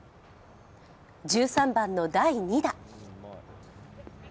１３番の第２打。